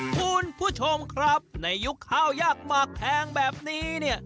คุณผู้ชมครับในยุคข้าวยากหมากแพงแบบนี้เนี่ย